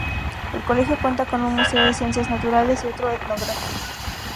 El Colegio cuenta con un museo de ciencias naturales y otro etnográfico.